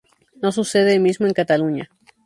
No sucede el mismo en Cataluña.